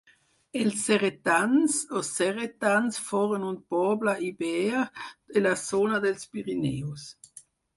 Els ceretans o cerretans foren un poble iber de la zona dels Pirineus.